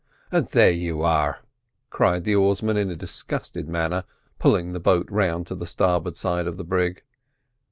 "There you are!" cried the oarsman in a disgusted manner, pulling the boat round to the starboard side of the brig.